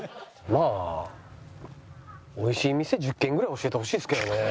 まあ美味しい店１０軒ぐらい教えてほしいですけどね